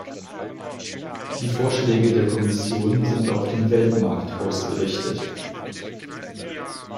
Die Vorschläge der Kommission sind auf den Weltmarkt ausgerichtet.